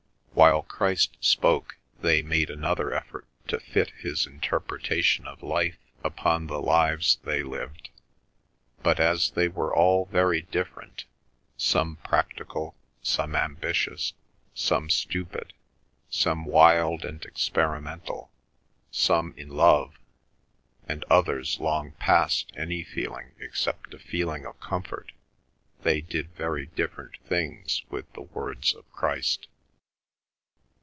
While Christ spoke they made another effort to fit his interpretation of life upon the lives they lived, but as they were all very different, some practical, some ambitious, some stupid, some wild and experimental, some in love, and others long past any feeling except a feeling of comfort, they did very different things with the words of Christ.